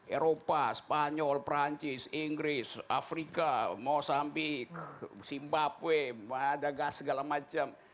eropa spanyol perancis inggris afrika mozambik simbapwe madagas segala macam